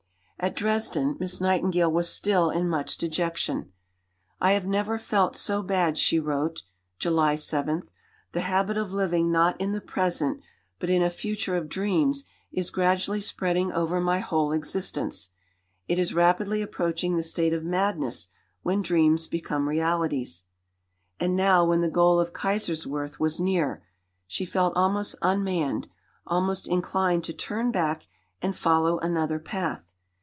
At Dresden Miss Nightingale was still in much dejection. "I have never felt so bad," she wrote (July 7); "the habit of living not in the present but in a future of dreams is gradually spreading over my whole existence. It is rapidly approaching the state of madness when dreams become realities." And now when the goal of Kaiserswerth was near, she felt almost unmanned; almost inclined to turn back and follow another path.